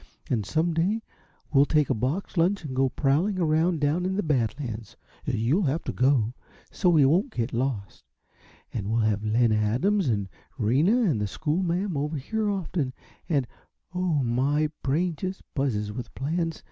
And some day we'll take a lunch and go prowling around down in the Bad Lands you'll have to go, so we won't get lost and we'll have Len Adams and Rena and the schoolma'am over here often, and oh, my brain just buzzes with plans.